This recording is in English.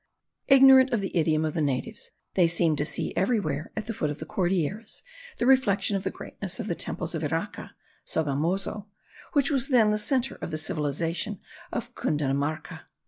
Ignorant of the idiom of the natives, they seemed to see everywhere, at the foot of the Cordilleras, the reflexion of the greatness of the temples of Iraca (Sogamozo), which was then the centre of the civilization of Cundinamarca.